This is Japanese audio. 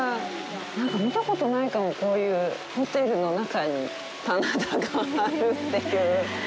なんか見たことないかもこういう、ホテルの中に棚田があるっていう。